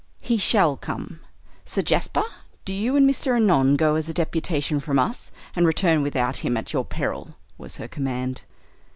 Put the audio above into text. "He shall come. Sir Jasper, do you and Mr. Annon go as a deputation from us, and return without him at your peril" was her command.